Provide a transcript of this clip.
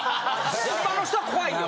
現場の人は怖いよ。